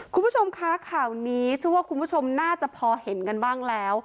คุณผู้ชมคะข่าวนี้เชื่อว่าคุณผู้ชมน่าจะพอเห็นกันบ้างแล้ว